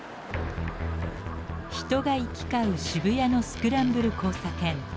人が行き交う渋谷のスクランブル交差点。